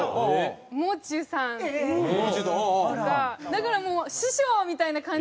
だからもう師匠みたいな感じなんで。